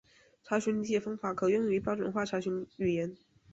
查询理解方法可用于标准化查询语言。